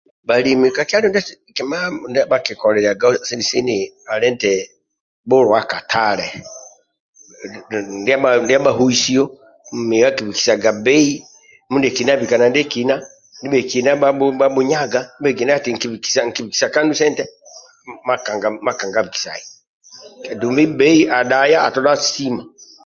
Bhalimi ka kyalo ndiasu kima ndia bhakikoliliagaku sini sini ali bhulea katale ndia ndia bhahuisio bbei mindietolo ati akibikisa eyo makanga bikisai dumbibbei adhaya atodha asima